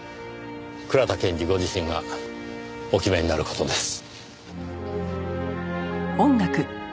倉田検事ご自身がお決めになる事です。